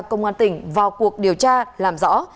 công an tỉnh vào cuộc điều tra làm rõ